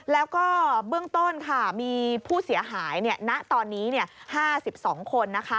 แล้วก็เบื้องต้นค่ะมีผู้เสียหายณตอนนี้๕๒คน